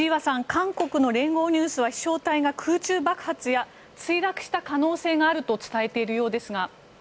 韓国の連合ニュースは飛翔体が空中爆発や墜落した可能性があると伝えているようですが。